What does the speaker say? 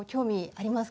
あります！